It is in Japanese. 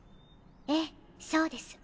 ええそうです。